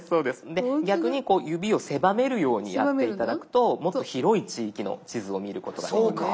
で逆に指を狭めるようにやって頂くともっと広い地域の地図を見ることができます。